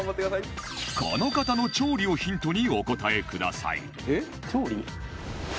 この方の調理をヒントにお答えくださいえっ？調理？